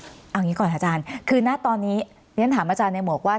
เอาอย่างนี้ก่อนอาจารย์คือณตอนนี้เรียนถามอาจารย์ในหมวกว่า